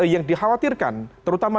yang dikhawatirkan terutama